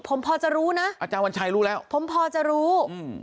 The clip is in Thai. ผมพอจะรู้นะอาจารย์วันชัยรู้แล้วผมพอจะรู้อืม